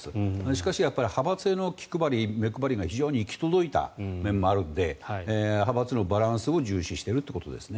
しかし派閥への気配り、目配りが非常に行き届いた面もあるので派閥のバランスを重視しているということですね。